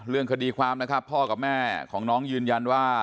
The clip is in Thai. เรื่องคดีความนะครับพ่อกับแม่ของน้องยืนยันว่า